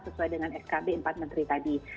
sesuai dengan skb empat menteri tadi